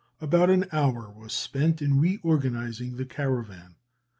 About an hour was spent in reorganizing the caravan.